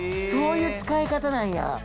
そういう使い方なんや！